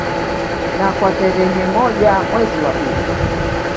Na kwa tarehe moja mwezi wa pili